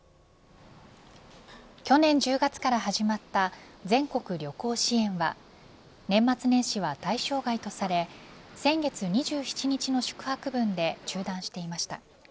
去年１０月から始まった全国旅行支援は年末年始は対象外とされ先月２７日の宿泊分で中断していました。